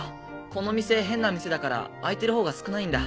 この店変な店だから開いてるほうが少ないんだ。